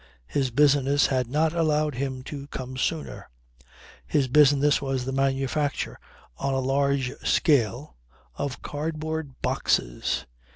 His business had not allowed him to come sooner. His business was the manufacture on a large scale of cardboard boxes.